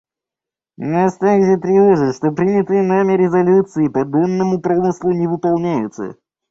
Нас также тревожит, что принятые нами резолюции по донному промыслу не выполняются.